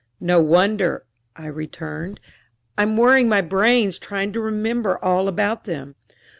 "No wonder," I returned. "I'm worrying my brains trying to remember all about them.